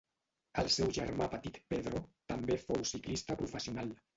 El seu germà petit Pedro també fou ciclista professional.